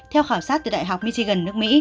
theo khảo sát từ đại học michigan nước mỹ